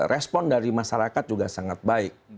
respon dari masyarakat juga sangat baik